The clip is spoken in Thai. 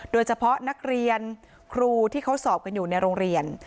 โดยเฉพาะนักเรียนครูที่เขาสอบกันอยู่ในโรงเรียน